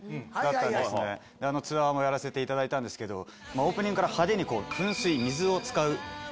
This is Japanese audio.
ツアーもやらせていただいたんですけどオープニングから派手に。